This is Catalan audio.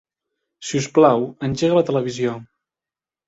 Si us plau, engega la televisió.